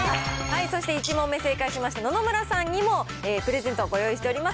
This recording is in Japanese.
そして１問目正解しました野々村さんにもプレゼントをご用意しております。